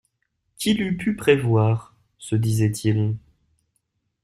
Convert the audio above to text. Qui l'eût pu prévoir ? se disait-il.